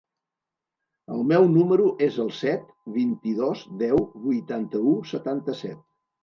El meu número es el set, vint-i-dos, deu, vuitanta-u, setanta-set.